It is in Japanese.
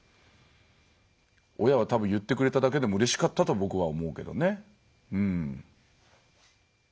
親は多分言ってくれただけでもうれしかったと僕は思うけどね。